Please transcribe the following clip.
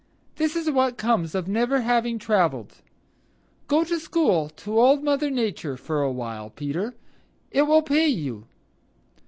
This is what comes of never having traveled. Go to school to Old Mother Nature for a while, Peter. It will pay you."